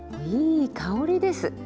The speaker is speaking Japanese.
いい香りです。